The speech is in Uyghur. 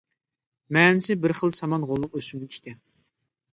مەنىسى بىر خىل سامان غوللۇق ئۆسۈملۈك ئىكەن.